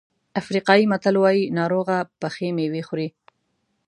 افریقایي متل وایي ناروغه پخې مېوې خوري.